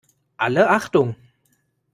Alle Achtung!